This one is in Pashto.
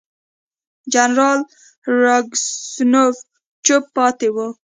جنرال راسګونوف چوپ پاتې وو.